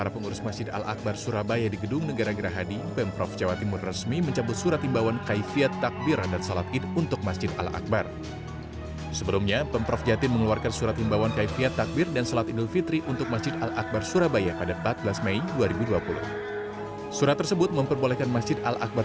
pemprov jawa timur